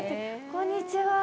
こんにちは。